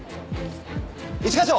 一課長！